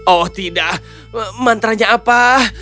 oh tidak mantranya apa